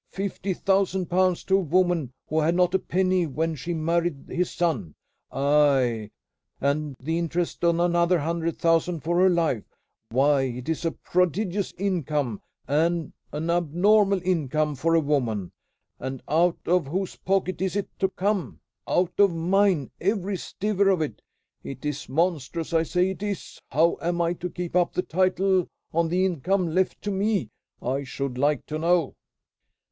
"Fifty thousand pounds to a woman who had not a penny when she married his son! Aye, and the interest on another hundred thousand for her life! Why, it is a prodigious income, an abnormal income for a woman! And out of whose pocket is it to come? Out of mine, every stiver of it! It is monstrous! I say it is! How am I to keep up the title on the income left to me, I should like to know?"